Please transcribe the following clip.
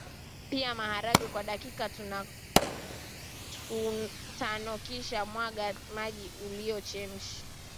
pika maharage kwa dakika tanokisha mwaga maji uliyochemshia